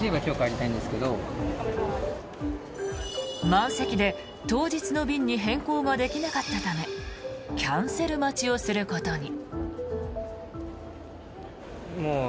満席で当日の便に変更ができなかったためキャンセル待ちをすることに。